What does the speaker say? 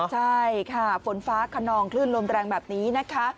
ใช่ค่ะฝนฟ้าขนองคลื่นลมแรงแบบนี้นะคะ